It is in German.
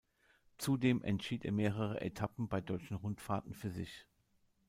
Zudem entschied er mehrere Etappen bei deutschen Rundfahrten für sich.